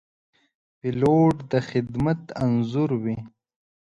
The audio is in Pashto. پیلوټ د خدمت انځور وي.